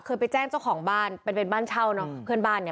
ไปแจ้งเจ้าของบ้านเป็นเป็นบ้านเช่าเนอะเพื่อนบ้านเนี่ย